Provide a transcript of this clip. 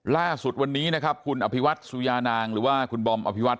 ล่าสุดวันนี้นะครับคุณอภิวัตสุยานางหรือว่าคุณบอมอภิวัต